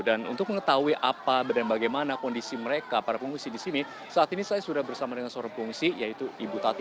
dan untuk mengetahui apa dan bagaimana kondisi mereka para pengungsi di sini saat ini saya sudah bersama dengan seorang pengungsi yaitu ibu tati